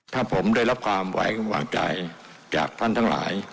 ถ้าผมได้รับความไว้วางใจจากท่านทั้งหลาย